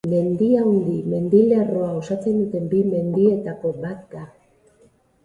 Mendiaundi mendilerroa osatzen duten bi mendietako bat da.